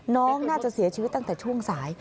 น้องน่าจะเสียชีวิตตั้งแต่ช่วงสาย